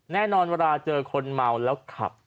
แน่นอนเวลาเจอคนเมาแล้วขับ